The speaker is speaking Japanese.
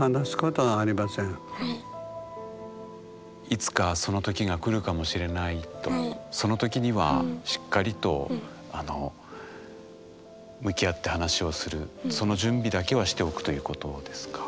いつかそのときがくるかもしれないとそのときにはしっかりと向き合って話をするその準備だけはしておくということですか？